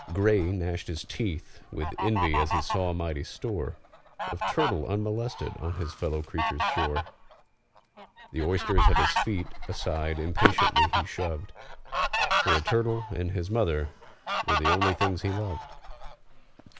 GRAY gnashed his teeth with envy as he saw a mighty store Of turtle unmolested on his fellow creature's shore. The oysters at his feet aside impatiently he shoved, For turtle and his mother were the only things he loved.